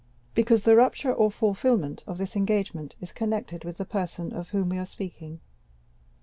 "Because the rupture or fulfilment of this engagement is connected with the person of whom we were speaking."